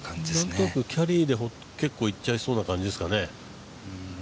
何となくキャリーで結構いっちゃいそうな感じですかね？